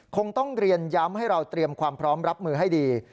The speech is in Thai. คงต้องเรียนย้ำให้เราเตรียมความพร้อมรับมือให้ดี